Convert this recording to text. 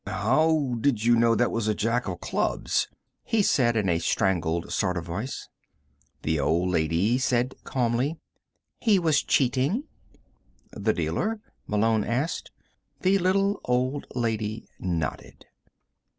"How did you know that was a Jack of clubs?" he said in a strangled sort of voice. The little old lady said calmly: "He was cheating." "The dealer?" Malone asked. The little old lady nodded.